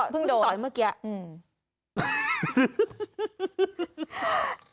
เพิ่งโดนเพิ่งต่อยเมื่อกี้อืม